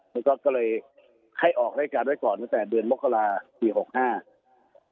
แล้วก็ก็เลยให้ออกรายการไว้ก่อนตั้งแต่เดือนมกราปีหกห้า